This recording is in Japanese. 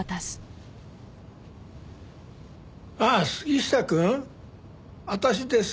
ああ杉下くん？あたしです。